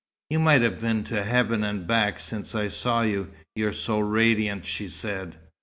"You might have been to heaven and back since I saw you; you're so radiant!" she said.